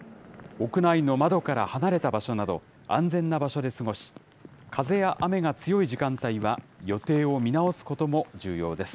屋内の窓から離れた場所など、安全な場所で過ごし、風や雨が強い時間帯は、予定を見直すことも重要です。